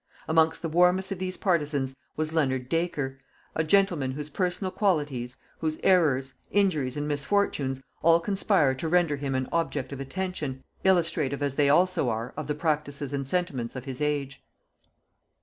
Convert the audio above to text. Amongst the warmest of these partisans was Leonard Dacre, a gentleman whose personal qualities, whose errors, injuries and misfortunes, all conspire to render him an object of attention, illustrative as they also are of the practices and sentiments of his age.